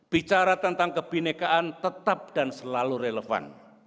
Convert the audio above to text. bicara tentang kebinekaan tetap dan selalu relevan